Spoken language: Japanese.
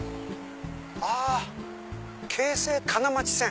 あ京成金町線。